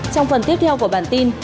trong phần tiếp theo của bản tin